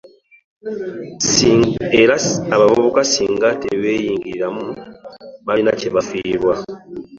Era abavubuka singa tebeenyigiramu baliko kye bafiirwa.